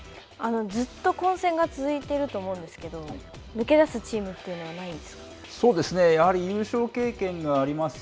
ずっと混戦が続いてると思うんですけど、抜け出すチームというやはり、優勝経験があります